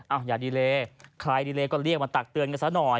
อย่าดีเลใครดีเลก็เรียกมาตักเตือนกันซะหน่อย